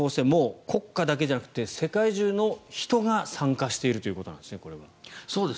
もう国家だけじゃなくて世界中の人が参加しているということなんですね。